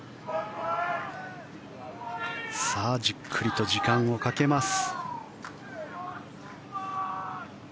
じっくりと時間をかけます。